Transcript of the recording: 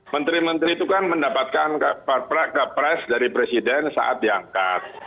menteri menteri itu kan mendapatkan kepres dari presiden saat diangkat